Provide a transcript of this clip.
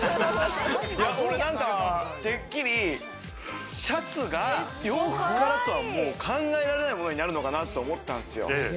俺なんか、てっきりシャツが洋服からとは考えられないものになるのかなと思ったんすよ。